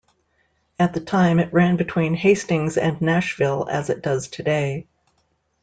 At the time, it ran between Hastings and Nashville as it does today.